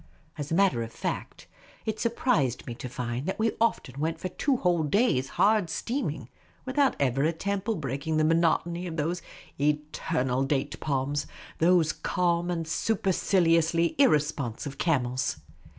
As a matter of fact, it surprised me to find that we often went for two whole days' hard steaming without ever a temple breaking the monotony of those eternal date palms, those calm and superciliously irresponsive camels.